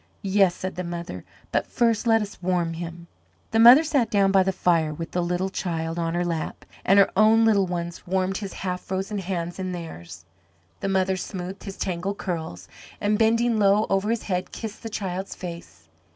"Yes," said the mother, "but first let us warm him " The mother sat down by the fire with the little child on her lap, and her own little ones warmed his half frozen hands in theirs. The mother smoothed his tangled curls, and, bending low over his head, kissed the child's face.